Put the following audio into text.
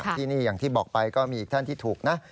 ที่นี่อย่างที่บอกไปก็มีอีกท่านที่ถูกนะ